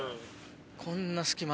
こんな隙間。